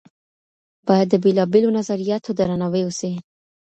بايد د بېلابېلو نظرياتو درناوی وسي.